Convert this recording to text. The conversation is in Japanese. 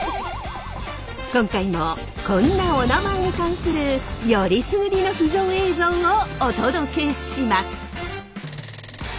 今回もこんなおなまえに関するよりすぐりの秘蔵映像をお届けします！